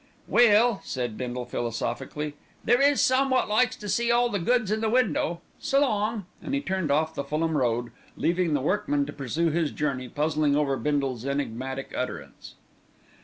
"Well," said Bindle philosophically, "there is some wot likes to see all the goods in the window. S'long!" and he turned off the Fulham Road, leaving the workman to pursue his journey puzzling over Bindle's enigmatical utterance.